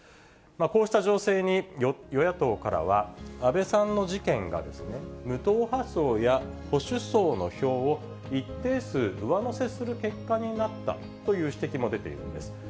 こうした情勢に与野党からは、安倍さんの事件が無党派層や保守層の票を、一定数上乗せする結果になったという指摘も出ているんです。